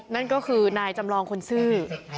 นั่นก็คือนายจำลองคนซื่อ